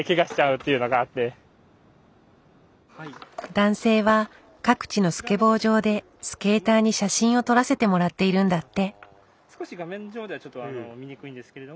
男性は各地のスケボー場でスケーターに写真を撮らせてもらっているんだって。